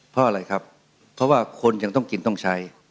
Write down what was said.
เพราะอะไรครับเพราะว่าคนยังต้องกินต้องใช้